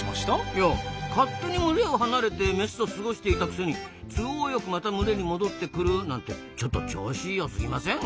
いや勝手に群れを離れてメスと過ごしていたくせに都合よくまた群れに戻ってくるなんてちょっと調子良すぎません？